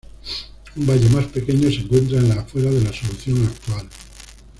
Un valle más pequeño se encuentra en las afueras de la solución actual.